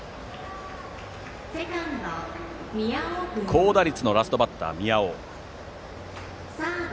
高打率のラストバッター宮尾がセカンド。